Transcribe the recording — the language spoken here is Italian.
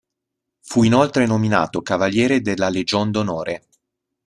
Fu inoltre nominato cavaliere della "Legion d'Onore".